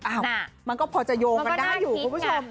มันก็พอจะโยงกันได้อยู่คุณผู้ชม